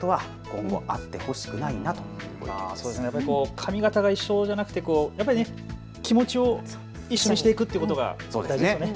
髪型が一緒じゃなくて気持ちを一緒にしていくっていうことが大事ですね。